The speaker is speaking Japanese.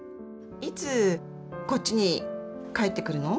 いつこっちに帰ってくるの？